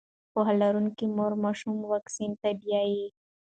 پوهه لرونکې مور ماشوم واکسین ته بیايي.